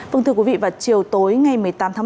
phương thưa quý vị vào chiều tối ngày một mươi tám